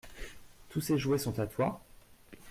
Tous ces jouets sont à toi ?